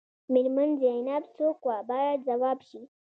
میرمن زینب څوک وه باید ځواب شي.